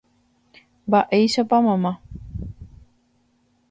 Mba'éichapa mama.